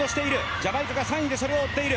ジャマイカが３位で追っている。